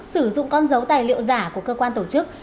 sử dụng con dấu tài liệu giả của cơ quan tổ chức